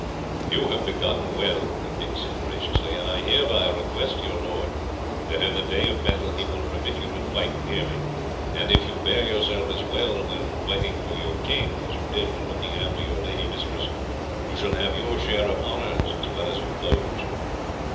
"You have begun well," the king said graciously; "and I hereby request your lord that in the day of battle he will permit you to fight near me, and if you bear yourself as well when fighting for your king as you did when looking after your lady mistress, you shall have your share of honours as well as of blows."